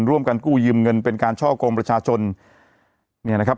ร่วมกันกู้ยืมเงินเป็นการช่อกงประชาชนเนี่ยนะครับ